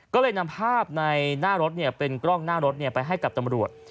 ก็เลยนำภาพในหน้ารถเป็นกล้องหน้ารถไปให้กับตำรวจ